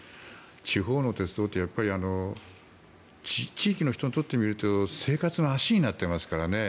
地方の鉄道って地域の人にとってみると生活の足になってますからね。